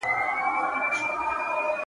و مقام د سړیتوب ته نه رسېږې,